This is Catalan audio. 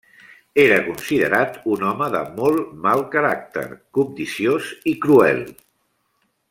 Era considerat un home de molt mal caràcter, cobdiciós i cruel.